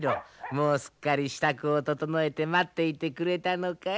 もうすっかり支度を整えて待っていてくれたのかい？